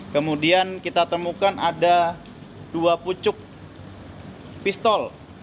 kemudian kita temukan ada dua pucuk pistol